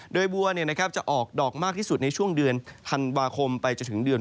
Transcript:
โดยบัวจะได้ออกดอกมากที่สุดคือช่วงเดือนธันวาคมกลุ่มภาพช่วงนี้แล้ว